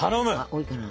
多いかな。